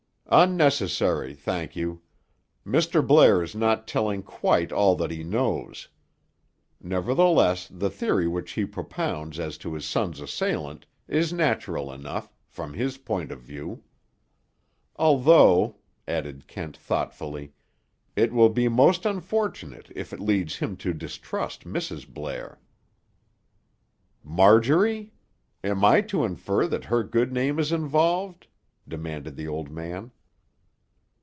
"Unnecessary, thank you. Mr. Blair is not telling quite all that he knows. Nevertheless, the theory which he propounds as to his son's assailant, is natural enough, from his point of view. Although," added Kent thoughtfully, "it will be most unfortunate if it leads him to distrust Mrs. Blair." "Marjorie? Am I to infer that her good name is involved?" demanded the old man.